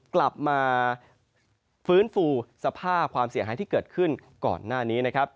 กลับมาฟื้นฟูสภาพความเสียหายที่เกิดขึ้นก่อนหน้านี้นะครับ